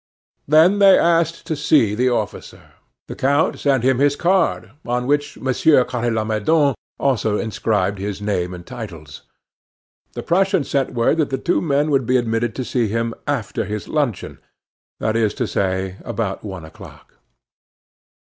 Then they asked to see the officer. The count sent him his card, on which Monsieur Carre Lamadon also inscribed his name and titles. The Prussian sent word that the two men would be admitted to see him after his luncheon that is to say, about one o'clock.